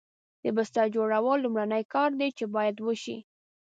د بستر جوړول لومړنی کار دی چې باید وشي